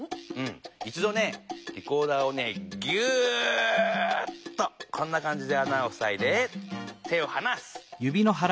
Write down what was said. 一どねリコーダーをねギューッとこんなかんじであなをふさいで手をはなす。